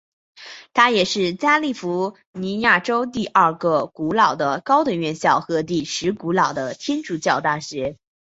它也是加利福尼亚州第二古老的高等院校和第十古老的天主教大学。